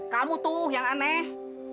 kamu tuh yang aneh